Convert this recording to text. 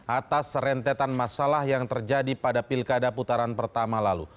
atas serentetan masalah yang terjadi pada pilkada putaran pertama lalu